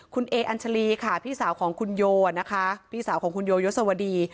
คุณเออัญชาลีค่ะพี่สาวของคุณโยนะคะพี่สาวของคุณโยยศวดี